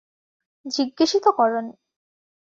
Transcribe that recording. জিজ্ঞেসই তো করোনি।